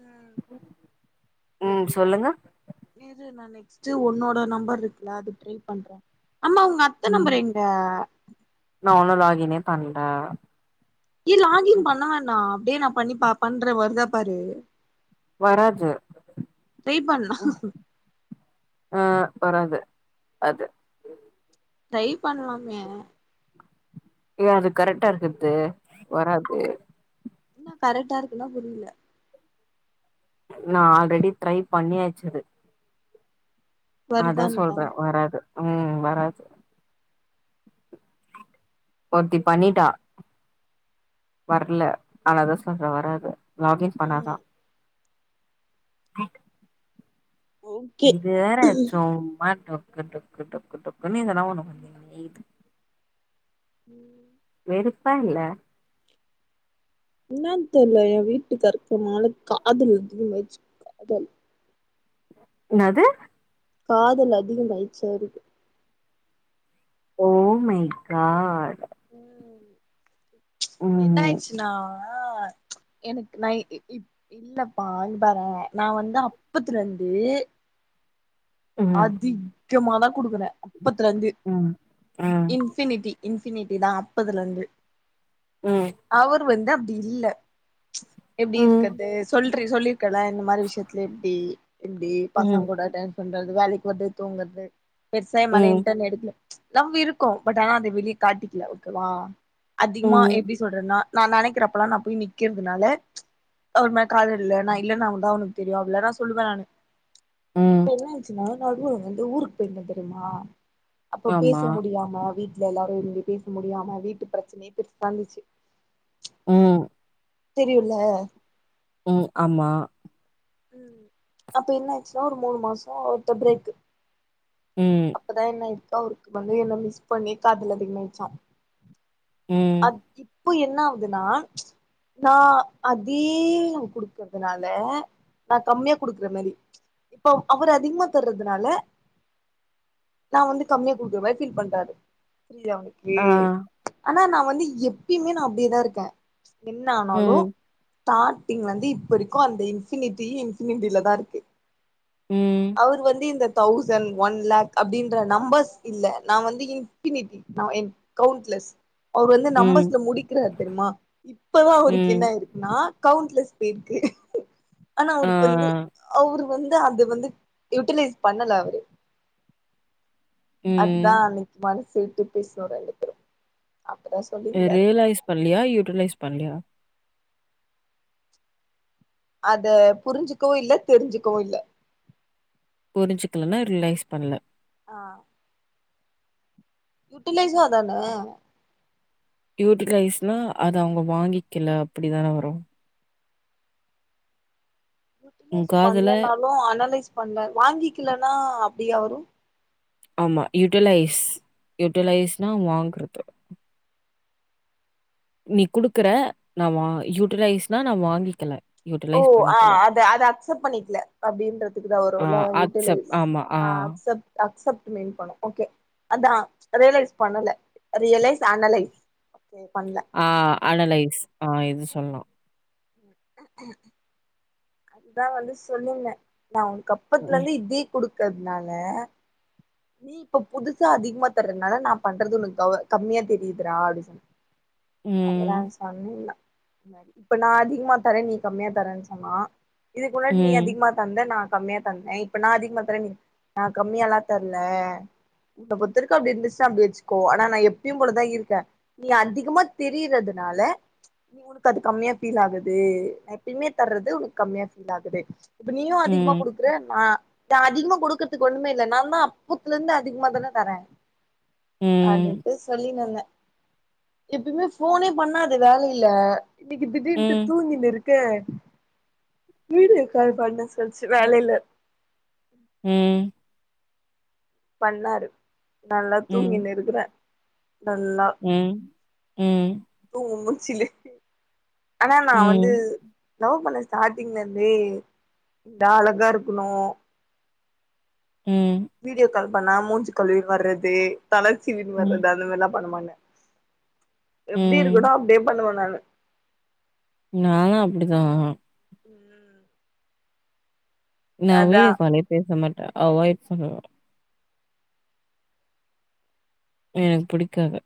ம் ம் சொல்லுங்க இரு நா நெக்ஸ்ட் ஒன்னோட நம்பர் இருக்குல அது ட்ரை பண்ற அம்மா உங்க அப் அந்த ம் நம்பர் எங்க நா ஒன்னு லாகினே பண்ல இ லாகின் பண்ணவேணா அப்டியே நா பண்ணிப்ப பண்ற வருதா பாரு வராது ட்ரை பண்லா ஆ வராது அது ட்ரை பண்லாமே ஏ அது கரெட்டா இருக்குற்து வராது என்ன கரெட்டா இருக்குன்னா புரில நா ஆல்ரெடி ட்ரை பண்ணியாச்சு அது அதா வருதான்டா சொல்ற வராது ம் வராது ஒருத்தி பண்ணிட்டா வர்ல அதனாதா சொல்ற வராது லாகின் பண்ணா தா ம் ரைட்டு ஓகே இது வேற சும்மா டொக்கு டொக்கு டொக்கு டொக்குன்னு எதன்னா ஒன்னு பண்ணிகின்னே இகுது ம் வெறுப்பா இல்ல என்னான் தெர்ல எ வீட்டுக்காருக்கு எ மேல காதல் வந்துக வச்சு காதல் என்னாது காதல் அதிகமாய்ச்சு அவருக்கு ஓ மை கா ம் ம் என்னாயிச்சுனா ஆ எனக்கு நா இப் இல்லப்பா இங்க பாற நா வந்து அப்பத்துலருந்து ம் அதிகமாதா குடுக்குற அப்பத்துலர்ந்து ம் அ இன்ஃபினிட்டி இன்ஃபினிட்டி தா அப்பதுலருந்து ம் அவரு வந்து அப்டியில்ல எப்டி ம், இருக்கது சொல் சொல்லிருக்கல இந்த மாரி விஷயத்துல எப்டி எப்டி ம், பசங்க கூட டைம்ஸ் பண்றது வேலைக்கு வர்றது தூங்கற்து பெருசா எ மேல ம், இன்டர்ன் எடுக்ல லவ் இருக்கு பட் ஆனா அத வெளிய காட்டிக்ல ஓகேவா அதிகமா ம், எப்டி சொல்றதுன்னா நா நெனைக்கிறப்பல்லா நா போய் நிக்கிறதுனால அவர் மேல காதல் இல்ல நா இல்லனாவ்தா உனக்கு தெரியு அப்டில்லா நா சொல்வே நானு இப்ப ம். என்ன ஆச்சுனா நடுவுல வந்து ஊருக்கு போயிருந்த தெரியுமா அப்போ ஆமா. பேச முடியாம வீட்ல எல்லாரு இருந்து பேச முடியாம வீட்டு பிரச்சனயே பெருசா இருந்துச்சு ம் தெரியுல்ல ம் ஆமா ம் அப்ப என்ன ஆச்சுன்னா ஒரு மூணு மாச அவர்ட்ட பிரேக்கு ம் அப்பதா என்ன ஆய்ருக்கு அவருக்கு வந்து என்ன மிஸ் பண்ணி காதல் அதிகமாய்ர்ச்சா ம். அப் இப் இப்போ என்ன ஆவுதுன்னா நா அதீக குடுக்கறதுனால நா கம்மியா குடுக்குற மாரி இப்ப அவரு அதிகமா தர்றதுனால நா வந்து கம்மியா குடுக்குறமாரி ஃபீல் பண்றாரு புரி [inaudible] ஒனக் கு ஆ. ஆ நா வந்து எப்பயுமே நா அப்டியேதா இருக்கே என்ன ஆனாலு ம், ஸ்டார்டிங்லந்து இப்பரைக்கு அந்த இன்ஃபினிட் டி இன்ஃபினட்டில தா இருக்கு ம், அவரு வந்து இந்த தௌசண்ட் ஒன் லேக் அப்டின்ற நம்பர்ஸ் இல்ல நா வந்து இன்ஃபினிட்டி நா எ கவுண்ட்லெஸ் அவரு வந்து ம், நம்பர்ஸ்ல முடிக்கிறாரு தெரிமா இப்பதா அவருக்கு ம். என்னாயிருக்குன்னா கவுன்ட்லஸ் போயிருக்கு ஆனா ஆ. அவுருக்கு வந்து அவுரு இப்ப வந்து அது வந்து யுட்டிலைஸ் பண்ணல அவரு அதா ம். அன்னைக்கு மனச விட்டு பேசனோ ரெண்டு பேரு அப்பதா சொல் இது ரியலைஸ் பண்லியா யுட்டிலைஸ் பண்லியா அத புரிஞ்சுக்கவு இல்ல தெரிஞ்சுக்கவு இல்ல புரிஞ்சிக்கலைன்னா ரிலேஸ் பண்ல ஆ யுட்டிலைஸ்சு அதான யூட்டிலைஸ்னா அத அவுங்க வாங்கிக்கல அப்படித்தான வரு உன் யூட்டிலைஸ் காதுல பண்லனாலு அனலைஸ் பண்ல வாங்கிக்கலனா அப்டியா வரு ஆமா யூட்டிலைஸ் யுட்டிலைஸ்னா வாங்றது நீ குடுக்குற நா வா யுட்டிலைஸ்னா நா வாங்கிக்கல ஓ யுட்டிலைஸ் ஆ பண்ணிக்கல. அத அத அக்செப்ட் பண்ணிக்கல அப்டின்றதுக்கு தா ஆ வருல ஆக்செப்ட் யுட்டிலைஸ் ஆமா. ஆ அக்செப் அக்சப்ட் மீன் பண்ணு ஓக்கே அதா ரியலைஸ் பண்ணல ரியலைஸ் அனலைஸ் ஓக்கே பண்ல ஆ அனலைஸ் ஆ இது சொல்லா அதுதா வந்து சொல்லிருந்தே நா உனக் அப்பத்துல ம், இந்து இதே குடுக்கதுனால நீ இப்ப புதுசா அதிகமா தர்றதுனால நா பண்றது ஒனக்கு க கம்மியா தெரியுது ரா அப்டி சொன்னே அப்டிதா ம், சொல்லிருந்தா இது மாரி இப்ப நா அதிகமா தரே நீ கம்மியா தரேன் சொன்னா இதுக்கு முன்னாடி நீ ம், அதிகமா தந்த நா கம்மியா தந்த இப்ப நா அதிகமா தரே நீ நா கம்மியாலா தர்ல இப்ப பொறுத்த வரைக்கு அப்டி இருந்துச்சு அப்டி வச்சுக்கோ ஆனா நா எப்பயும் போலதா இருக்கே நீ அதிகமா தெரியறதுனால நீ உனக்கு அது கம்மியா ஃபீல் ஆகுது நா எப்பயுமே தர்றது உனக்கு கம்மியா ஃபீல் ஆகுது இப்ப நீயு அதிகமா ம், குடுக்குற நா இங்க அதிகமா குடுக்குறதுக்கு ஒன்னுமே இல்ல நால் லா அப்பத்துல இந்து அதிகமா தான தரே ம், அப்டினுட்டு சொல்லினுருந்தே எப்பயுமே ஃபோனே பண்ணாது வேலல இன்னிக்கு திடீன்ட்டு ம், தூங்கினு இரு க்கு வீடியோ கால் பண்ண சொல்ச்சு வேலைல ம் பண்ணாரு நல்லா ம், தூங்கின்னு இருக்கற நல்லா ம் ம் தூங்கு மூஞ்சில ஆனா நா வந்து லவ் பண்ண ஸ்டாட்டிங்ல இந்தே நா அழகா இருக்கணு ம் வீடியோ கால் பண்ணா மூஞ்சு கழுவின்னு வர்றது தல சீவின்னு ம், வர்றது அந்த மாரியெல்லா பண்ண மாட்ட எப்டி இருக்கணோ ம். அப்டியே பண்ணுவேன் நானு நானு அப்டிதான் ம் நா அதா வீடியோ காலே பேச மாட்டன் அவாய் பண்ணுவன் எனக்கு புடிக்காது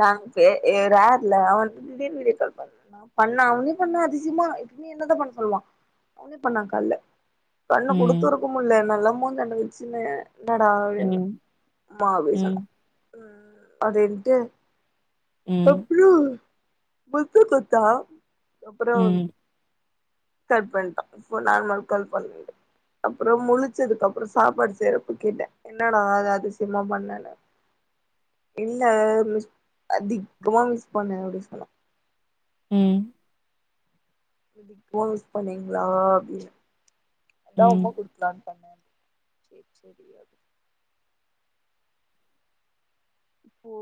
நாங் பே ஏ ரேர்ல்ல அவன் வந்து திடீனு வீடியோ கால் பண் பண்ணான் அவனே பண்ணான் அதிசயமா இப்ப நீ என்னதான் பண்ண சொல்வான் அவனே பண்ணான் கால்ல கண்ணு ம், குடுத்து இருக்குமல்ல நல்ல மூஞ்சாண்ட வெச்சுன்னு என்னடா ம், ஆமா வயசான ம், ம் அப்டின்ட்டு ம், தொப்புளு புத்த கொத்தா அப்றோ ம், கால் பண்டான் இப்போ நார்மல் கால் பண்ணிடு அப்றோ முழிச்சதுக்கு அப்றோ சாப்பாடு செய்யறப்ப கேட்டன் என்னடா அதிசயமா பண்ணனு இல்ல அதிகமா மிஸ் பண்ணே அப்டி சொன்னா ம் ஃபோன் யூஸ் பண்ணீங்ளா அப்டின்ன அதா ம். உம்மா குடுத்தான்னு சொன்ன சேரி சேரி ஓ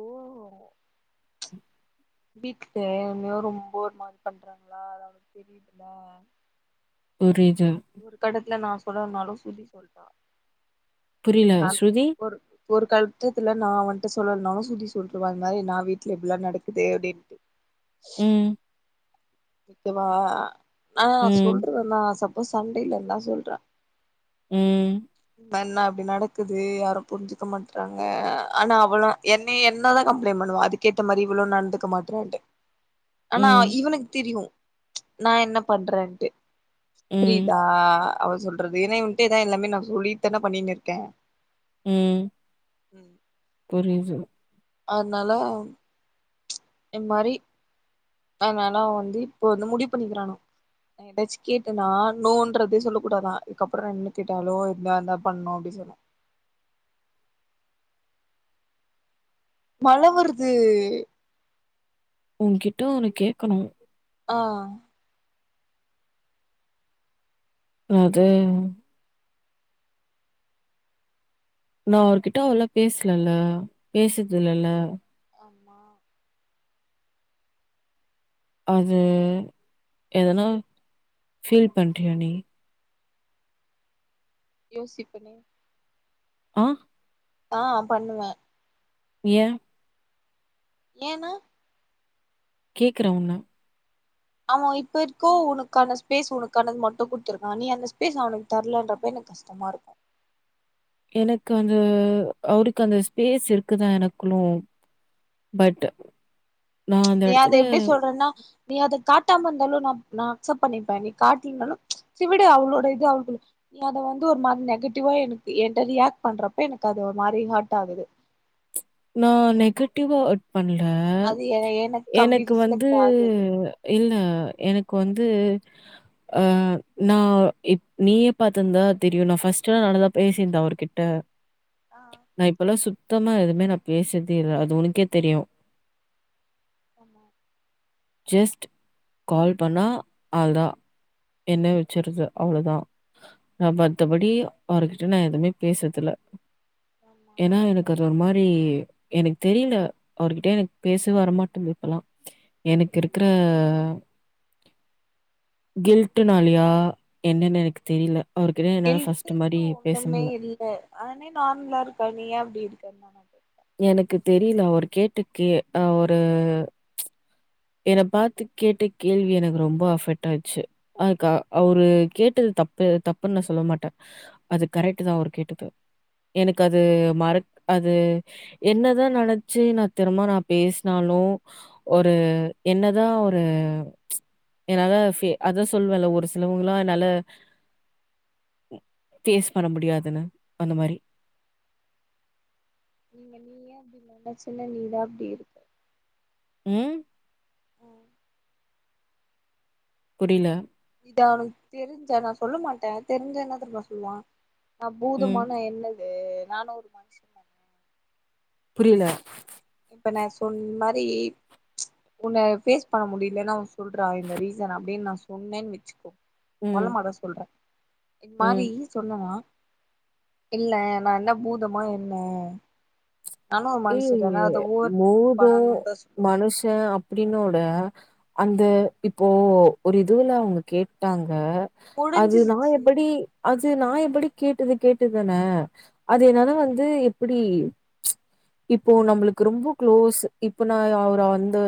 வீட்ல என்யோ ரொம்ப ஒரு மாரி பண்றாங்ளா அத அவளுக்கு தெரிதில்ல புரிது ஒரு கட்டத்துல நா சொல்லலனாலு ஸ்ருதி சொல்ட்டா புரியல. நான் ஸ்ருதி? ஒரு ஒரு கட்டத்துல நான் அவன்ட்ட சொல்லலனாலு ஸ்ருதி சொல்றுவான் இந்த மாரி நா வீட்ல இப்டியெல்லா நடக்குது அப்டின்ட்டு [inaudible] ம் ஓகேவா நா ம், சொல்றேன் நா சப்போ சண்டே இல்லனா சொல்றன் ம் தன்னா அப்டி நடக்குது யாரு புரிஞ்சுக்க மாட்றாங்க ஆனா அவளா என்னை என்னதான் கம்ப்ளைண்ட் பண்ணுவான் அதுக்கேத்த மாரி இவளு நடந்துக்க மாட்டறான்ட்டு ஆனா ம், இவனுக்கு தெரியு நா என்ன பண்றன்ட்டு ம். புரிதா அவள் சொல்றது ஏனா இவன்ட்ட எல்லாமே நா சொல்லிட்டுதானே பண்ணின்னு இருக்கேன் ம் புரிது அதனால எம் மாதிரி அதனால அவன் வந்து இப்ப வந்து முடிவு பண்ணிக்கிறானுமக எதாச்சு கேட்டனா நோன்றதே சொல்ல கூடாதான் அதுக்கப்றோ என்ன கேட்டாலு இந்தா இந்தாபண்ணணு அப்டின்னு சொன்னன் மழை வருது உன்கிட்ட ஒன்னு கேக்கணு ஆ அது நா அவர்கிட்ட அவ்ளா பேசலல்ல பேசறது இல்லல்ல ஆமா அது எதனா ஃபீல் பண்றியா நீ யோசிப்பனே ஆ ஆ பண்ணுனே ஏ ஏனா கேக்குற உன்ன அவன் இப்ப இருக்கோ உனக்கான ஸ்பேஸ் உனக்கானது மட்டும் குடுத்திருக்கான் நீ அந்த ஸ்பேஸ் அவனுக்கு தரலன்றப்ப எனக்கு கஷ்டமா இருக்கும் எனக்கு அந்த அவருக்கு அந்த ஸ்பேஸ் இருக்குதான் எனக்குள்ளும் பட் நான் அந்த நீ அத இடத்துல எப்டி சொல்றேன்னா நீ அத காட்டாம இருந்தாலும் நா நா அக்சப்ட் பண்ணிப்பேன் நீ காட்டீங்கனாலும் சிவிடு அவளோட இது அவளுக்கு நீ அத வந்து ஒரு மாரி நெகட்டிவா எனக்கு என ரியாக்ட் பண்றப்ப எனக்கு அது ஒரு மாரி ஹெர்ட் ஆகுது நா நெகட்டிவா அட் பண்ணல அது எ அப்டி எனக்கு வந்து ரிஃப்ளெக்ட் ஆகுது இல்ல எனக்கு வந்து ஆ நான் நீயே பாத்திருந்தா தெரியும் நான் ஃபர்ஸ்ட்ட்ல்லாம் நல்லா தான் பேசியிருந்தேன் அவர்கிட்ட ட்ட ஆ நான் இப்பல்லாம் சுத்தமா எதுவுமே நான் பேசர்தே இல்ல அது உனக்கே தெரியும் ஆமா ஜஸ்ட் கால் பண்ணா ஆள்தா என்ன வச்சுருது அவ்ளோதான் நான் மத்தபடி அவர்கிட்ட நான் எதுவுமே பேசுறதுல ஏனா எனக்கு அது ஒரு மாரி எனக்கு தெரியல அவர்கிட்ட எனக்கு பேசுவே வரமாட்டுங்து இப்பெல்லா எனுக்கு இருக்குற கில்டனாலியா என்னன்னு எனக்கு தெரியில அவருகிட்ட என்னால ஃபர்ஸ்ட் மாரி பேச முல்ல தே ஆனே நார்மலா இருக்க நீயே அப்டி இருக்க எனக்கு தெரியல அவுரு கேட்ட கே அவுரு என பாத்து கேட்ட கேள்வி எனக்கு ரொம்ப அபெட்டாச்சு ஆ கா அவரு கேட்டது தப்பு தப்புன்னு நா சொல்ல மாட்ட அது கரெக்ட்டு தா அவரு கேட்டது எனக்கு அது மறக் அது என்னதா நெனைச்சு நா திரும்ப நா பேசுனாலு ஒரு என்னதா ஒரு என்னால ஃபி அதா சொல்வேல ஒரு சிலவங்களா என்னால ம் ஃபேஸ் பண்ண முடியாதுன்னு அந்த மாரி நீங்க நீயே அப்டி நெனச்ச நீ தா அப்டி இருக் ம் ம் புரில இதான் அவ்னுக்கு தெரிஞ்சா நான் சொல்ல மாட்டேன் தெரிஞ்சா என்ன தெரிமா சொல்வான் நா ம். பூதமானா என்னது நானும் ஒரு மனுஷன் புரியல இப்ப நான் சொன் இது மாரி உன்னை ஃபேஸ் பண்ண முடியலன் அவேன் சொல்றான் இந்த ரீசன் அப்டின்னு நான் சொன்னேன்னு வச்சுக்கோ மல்ல ம், மாட சொல்றேன் இந் மாரி ம். சொல்லனா இல்ல நான் என்ன பூதமா என்ன நானு ஒரு மனுஷதான அத ஏய் ஓவர் பூதோ பண்ணணுனு தா சொல்லுவ மனுஷே அப் டினோட அந்த இப்போ ஒரு இதுல அவுங்க கேட்டாங்க அது நான் முடிஞ்சிருச்சு எப்படி அது நா எப்டி கேட்டது கேட்டதுதான அது என்னால வந்து எப்பிடி இப்போ நம்மளுக்கு ரொம்ப குளோஸு இப்ப நா அவரா வந்து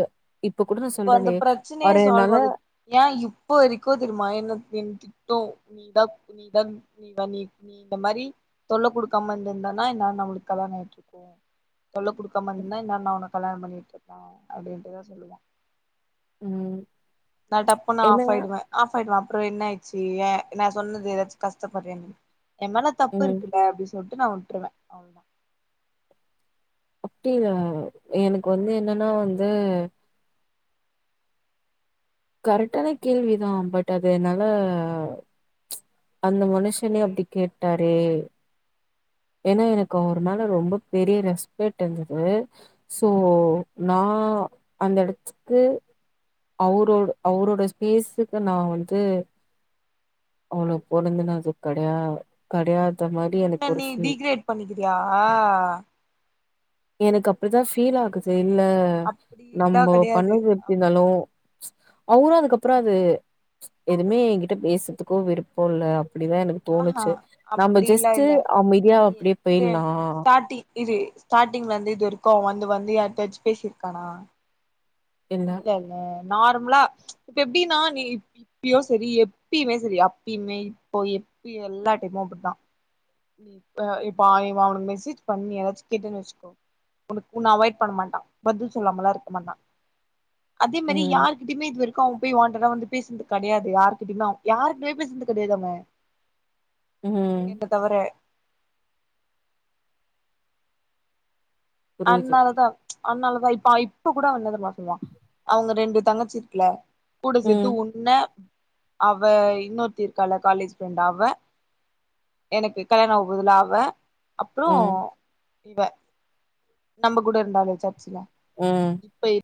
இப்ப கூட நா அந்த சொல்றனே பிரச்சனையே அவர சால்வ் என்னால ஆகுது ஏ இப்போ வரைக்கு தெரிமா என்னுத் என் திட்டோ நீதா நீதா நீதா நீ நீ இந்த மாதிரி தொல்ல குடுக்காம இருந்திருந்தன்னா இந்தா நம்மளுக்கு கல்யாணோ ஆயிட்டுருக்கு தொல்ல குடுக்காம இருந்தா இந்நேரோ நா உன்ன கல்யாண பண்ணிட்டு இருப்ப அப்டின்ட்டுதா சொல்லுவா உம் நான் டப்புன்னு ஆஃப் ஆயிடுவேன் ஆஃப் ஆயிடுவேன் அப்புறம் என்ன ஆயிச்சு ஏ நான் சொன்னது ஏதாச்சும் கஷ்டப்படுறேன் என் மேல தப்பு ம் இருக்குல அப்டின்னு சொல்ட்டு நான் விட்ருவேன் அவ்ளதான் அப்டி இல்ல எனக்கு வந்து என்னன்னா வந்து கரெக்டான கேள்விதான் பட் அது என்னால அந்த அப்ப மனுஷனே அப்டி கேட்டாரே ஏன்னா எனக்கு அவர் மேல ரொம்ப பெரிய ரெஸ்பெக்ட் இருந்தது ஸோ நான் அந்த எடத்துக்கு அவுரோட அவுரோட ஸ்பேஸுக்கு நா வந்து அவ்ளோ பொறந்துனா அது கெடயா கடயாதமா உன்ன நீ டீகிரேட் பண்ணிக்கிறியா எனக்கு அப்டி தா ஃபீல் ஆகுது இல்ல அப்டிலா நம்ப கெடையாது பண்ணது எப்டி இருந்தாலு அவுரு அதுக்கப்புறோ அது எதுமே என்கிட்ட பேசறதுக்கோ விருப்பம் இல்ல அப்டிதான் எனக் ஆஹா தோணுச்சு நம்ம அப்டிலா ஜஸ்ட்டு இல்ல அமைதியா அப்டியே பேயிலாம் ஸ்டாட்டி இது ஸ்டார்டிங்ல இருந்து இது வருக்கும் வந்து வந்து யார்ட்டயாச்சும் பேசியிருக்கானா இல்ல இல்ல நார்மலா இப்ப எப்டின்னா நீ இப்பயும் செரி எப்பயுமே செரி அப்பயுமே இப்போ எப்பயு எல்லா டைமும் அப்டிதான் நீ அ இப்ப அவனுக்கு மெசேஜ் பண்ணி ஏதாச்சும் கேட்டேன்னு வச்சுக்கோ உனக் உன்ன அவாய்ட் பண்ண மாட்டான் பதில் சொல்லாம எல்லாம் இருக்க மாட்டான் அதே மாரி ம் யாருகிட்டயுமே இதுவரை அவன் போய் வாண்டெட்டா வந்து வான்டடா வந்து பேசுனது கிடையாது யாருகிட்டயுமே யாருகிட்டயுமே பேசுனது கிடையாது அவன் ம் தவறு புரியுது அன்னால தான் அன்னாலதான் இப்ப இப்போ கூட அவந்தா பாத்துப்பான் அவங்க ரெண்டு தங்கச்சி இருக்குல கூட சேத்து ம் உன்ன அவ இன்னொருத்தி இருக்கால காலேஜ் ஃப்ரெண்ட் அவ எனக்கு கல்யாணம் ஆவபோதுல அவ அப்புறோம் ம் இவ நம்ம கூட இருந்தாலே சர்ச்சுல ம் ப்ப